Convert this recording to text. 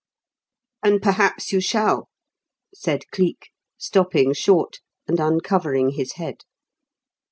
'" "And perhaps you shall," said Cleek, stopping short and uncovering his head.